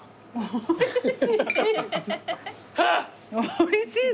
おいしいぞ。